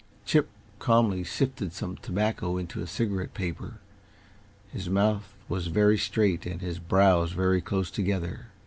Chip calmly sifted some tobacco into a cigarette paper. His mouth was very straight and his brows very close together.